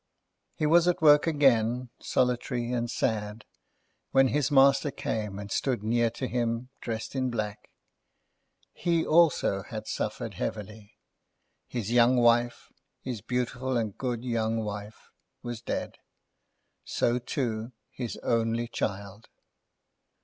He was at work again, solitary and sad, when his Master came and stood near to him dressed in black. He, also, had suffered heavily. His young wife, his beautiful and good young wife, was dead; so, too, his only child.